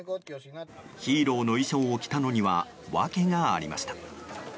ヒーローの衣装を着たのには訳がありました。